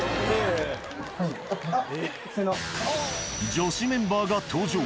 女子メンバーが登場。